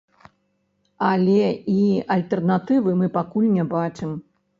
Але і альтэрнатывы мы пакуль не бачым.